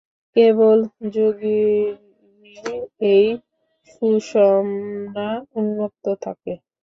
কেবল যোগীরই এই সুষুম্না উন্মুক্ত থাকে।